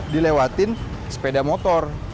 dilewati sepeda motor